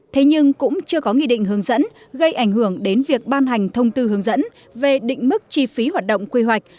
thế nhưng cũng chưa có nghị định hướng dẫn gây ảnh hưởng đến việc ban hành thông tư hướng dẫn về định mức chi phí hoạt động quy hoạch